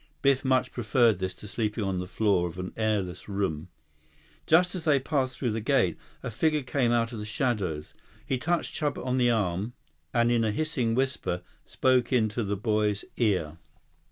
Biff much preferred this to sleeping on the floor of an airless room. Just as they passed through the gate, a figure came out of the shadows. He touched Chuba on the arm and in a hissing whisper, spoke into the boy's ear.